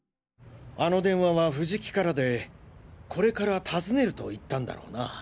あの電話は藤木からでこれから訪ねると言ったんだろな。